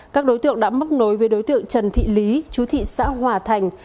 các đối tượng đã móc nối với đối tượng trần thị lý chú thị xã hòa thành